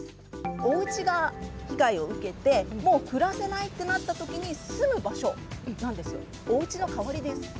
おうちが被害を受けて、もう暮らせないってなったときに住む場所なんですよ。